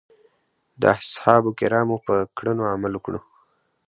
د اصحابو کرامو په کړنو عمل وکړو.